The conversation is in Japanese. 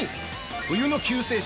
「冬の救世主！